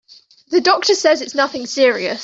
The doctor says it's nothing serious.